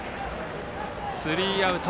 スリーアウト。